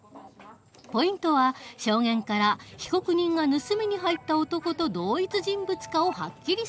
ポイントは証言から被告人が盗みに入った男と同一人物かをはっきりさせる事。